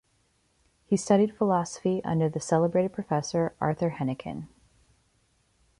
He studied philosophy under the celebrated Professor Arthur Hennequin.